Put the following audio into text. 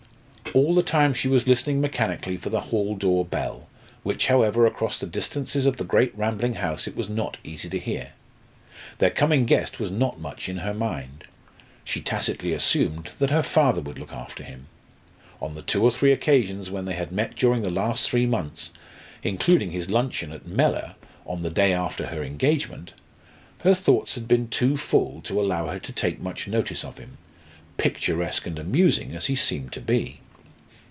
All the time she was listening mechanically for the hall door bell, which, however, across the distances of the great rambling house it was not easy to hear. Their coming guest was not much in her mind. She tacitly assumed that her father would look after him. On the two or three occasions when they had met during the last three months, including his luncheon at Mellor on the day after her engagement, her thoughts had been too full to allow her to take much notice of him picturesque and amusing as he seemed to be.